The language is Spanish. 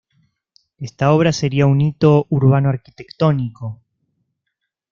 Esta obra sería un hito urbano-arquitectónico.